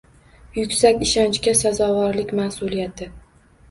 Yuksak ishonchga sazovorlik mas’uliyati